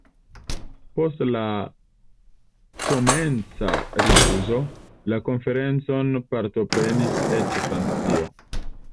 Post la komenca rifuzo, la konferencon partoprenis eĉ Francio.